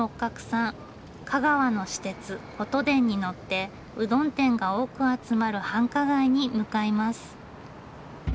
香川の私鉄ことでんに乗ってうどん店が多く集まる繁華街に向かいます。